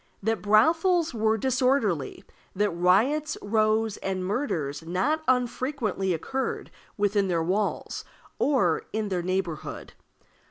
That brothels were disorderly; that riots, rows, and murders not unfrequently occurred within their walls or in their neighborhood.